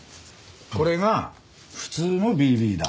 これが普通のＢＢ弾。